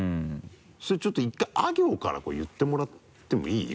それちょっと１回ア行から言ってもらってもいい？